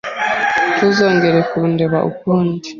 Ntuzongere kundeba ukundi.